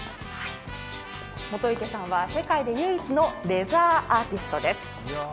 本池さんは世界で唯一のレザーアーティストです。